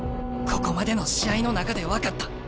ここまでの試合の中で分かった。